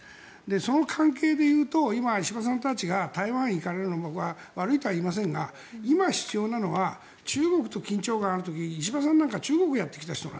その関係でいうと今、石破さんたちが台湾に行かれるのは僕は悪いとは言いませんが今、必要なのは中国と緊張感がある時に石破さんなんか中国をやってきた人。